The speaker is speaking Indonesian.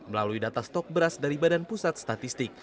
melalui data stok beras dari badan pusat statistik